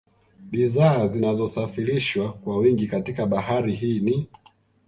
Bidhaa zinazosafirishwa kwa wingi katika Bahari hii ni